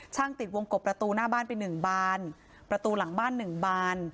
ช่างติดวงกบประตูหน้าบ้านไปหนึ่งบานประตูหลังบ้านหนึ่งบาน